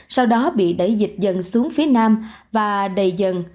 sau đó bị đẩy dịch dần xuống phía nam và đầy dần